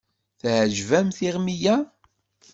Teɛǧeb-am tiɣmi-ya?